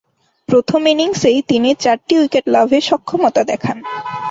প্রথম ইনিংসেই তিনি চারটি উইকেট লাভে সক্ষমতা দেখান।